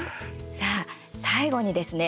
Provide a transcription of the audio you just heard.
さあ、最後にですね。